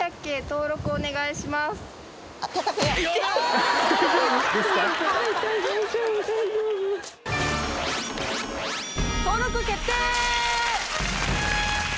登録決定！